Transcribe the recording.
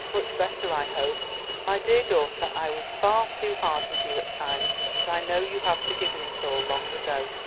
"Much better, I hope. My dear daughter, I was far too hard with you at times. But I know you have forgiven it all long ago."